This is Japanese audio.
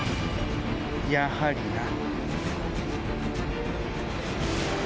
やはりな。